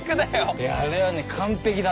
いやあれはね完璧だった。